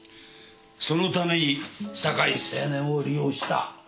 そのために酒井青年を利用した？